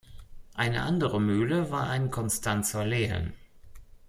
Eine andere Mühle war ein Konstanzer Lehen.